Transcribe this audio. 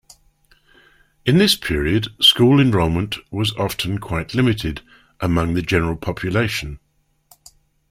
In this period school enrollment was often quite limited among the general population.